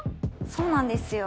そうなんですよ。